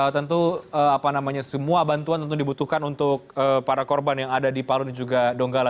tentu semua bantuan tentu dibutuhkan untuk para korban yang ada di palu dan juga donggala